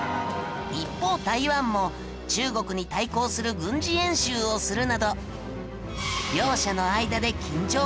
一方台湾も中国に対抗する軍事演習をするなど。